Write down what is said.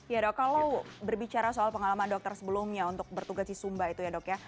ya dok kalau berbicara soal pengalaman dokter sebelumnya untuk bertugas di sumba itu ya dok ya